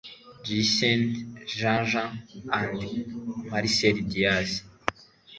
Giessen Jean Jean& Maceri Diaz